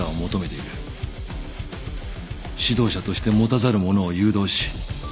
指導者として持たざるものを誘導し活用する。